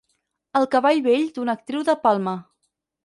El cavall vell d'una actriu De Palma.